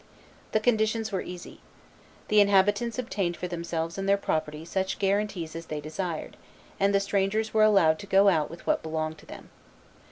The conditions were easy. The inhabitants obtained for themselves and their property such guarantees as they desired; and the strangers were allowed to go out with what belonged to them.